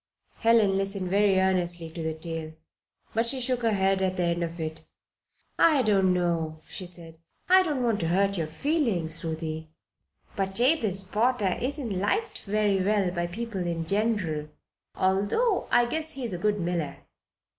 Helen listened very earnestly to the tale, but she shook her head at the end of it. "I don't know," she said. "I don't want to hurt your feelings, Ruthie. But Jabez Potter isn't liked very well by people in general, although I guess he is a good miller.